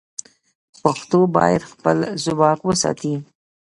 پښتو باید خپل ځواک وساتي.